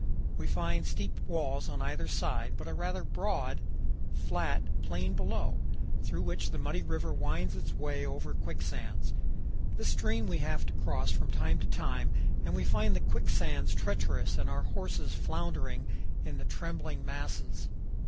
We find steep walls on either side, but a rather broad, flat plain below, through which the muddy river winds its way over quicksands. This stream we have to cross from time to time, and we find the quicksands treacherous and our horses floundering in the trembling masses.